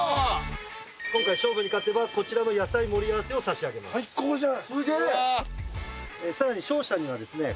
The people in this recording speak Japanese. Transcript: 今回勝負に勝てばこちらの野菜盛り合わせを差し上げます。